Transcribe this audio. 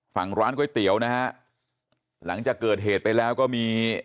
ฝั่งร้านก๋วยเตี๋ยวนะฮะหลังจากเกิดเหตุไปแล้วก็มี